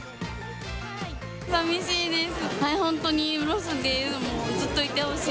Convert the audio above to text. さみしいです。